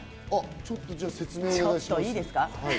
ちょっといいですか？